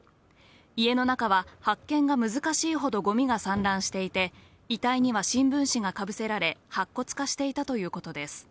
家の中は発見が難しいほどごみが散乱していて、遺体には新聞紙がかぶせられ、白骨化していたということです。